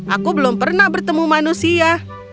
aku belum pernah bertemu manusia